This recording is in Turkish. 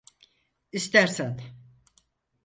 İstersen…